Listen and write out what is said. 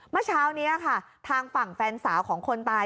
เมื่อเช้านี้ค่ะทางฝั่งแฟนสาวของคนตาย